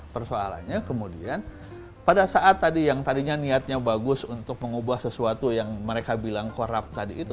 persoalannya kemudian pada saat tadi yang tadinya niatnya bagus untuk mengubah sesuatu yang mereka bilang korup tadi itu